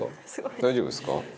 大丈夫ですか？